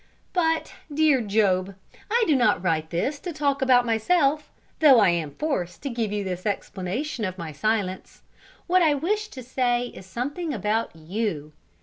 "But, dear Job, I do not write this to talk about myself, though I am forced to give you this explanation of my silence: what I wish is to say something about you.